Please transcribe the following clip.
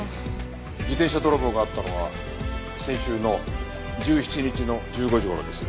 自転車泥棒があったのは先週の１７日の１５時頃です。